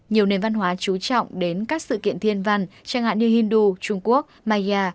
nhiều nền văn hóa chú trọng đến các sự kiện thiên văn chẳng hạn như hindu trung quốc maya